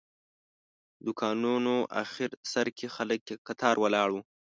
د دوکانونو آخر سر کې خلک کتار ولاړ وو.